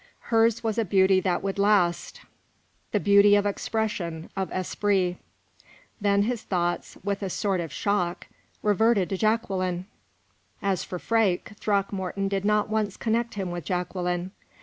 Hers was a beauty that would last the beauty of expression, of esprit. Then his thoughts, with a sort of shock, reverted to Jacqueline. As for Freke, Throckmorton did not once connect him with Jacqueline.